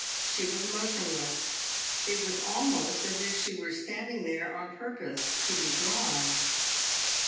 She was motionless; it was almost as if she were standing there on purpose to be drawn.